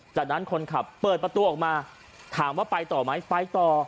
จากนั้นคนขับเปิดประตูออกมาถามว่าไปต่อไหมไปต่อ